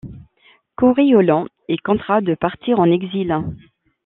Coriolan est contraint de partir en exil.